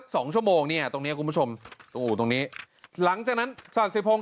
สองชั่วโมงเนี่ยตรงเนี้ยคุณผู้ชมอู่ตรงนี้หลังจากนั้นศาสิพงศ